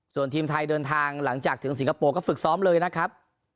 ส่วนทีมไทยเดินทางหลังจากถึงสิงคโปร์ก็ฝึกซ้อมเลยนะครับ